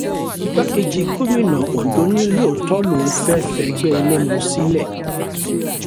Igbákejì gómìnà Òǹdò ní lóòtọ́ lòun fẹ́ f'ẹgbẹ́ ẹlẹ́mu sílẹ̀.